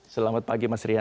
selamat pagi mas rian